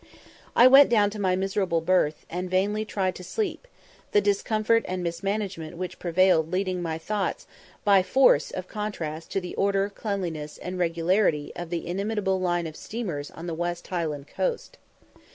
I went down to my miserable berth, and vainly tried to sleep, the discomfort and mismanagement which prevailed leading my thoughts by force of contrast to the order, cleanliness, and regularity of the inimitable line of steamers on the West Highland coast.